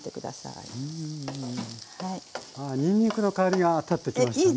にんにくの香りが立ってきましたね。